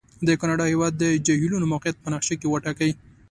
د کاناډا د هېواد د جهیلونو موقعیت په نقشې کې وټاکئ.